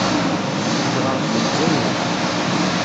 Zedɣeɣ deg Lezzayer.